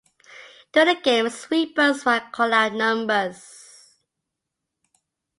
During a game, sweepers might call out numbers.